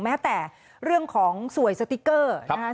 แม้แต่เรื่องของสวยสติ๊กเกอร์นะคะ